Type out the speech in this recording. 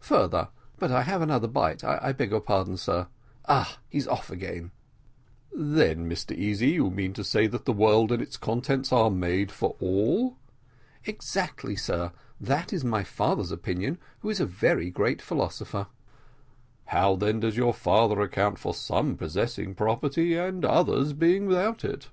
Further but I have another bite I beg your pardon, my dear sir. Ah! he's off again " "Then, Mr Easy, you mean to say that the world and its contents are made for all." "Exactly, sir, that is my father's opinion, who is a very great philosopher." "How then does your father account for some possessing property and others being without it?"